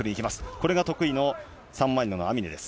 これが得意のサンマリノのアミネです。